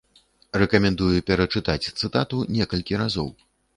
Рэкамендую перачытаць цытату некалькі разоў.